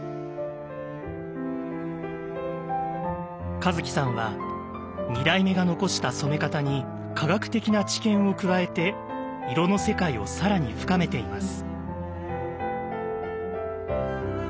和樹さんは２代目が残した染め方に科学的な知見を加えて色の世界を更に深めています。